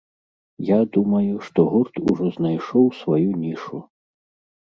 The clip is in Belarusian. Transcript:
Я думаю, што гурт ужо знайшоў сваю нішу.